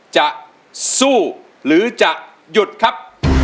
จะสู้หรือจะหยุดครับ